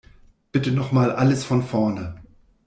Bitte nochmal alles von vorne.